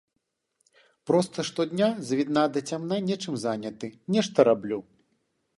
Проста штодня з відна да цямна нечым заняты, нешта раблю.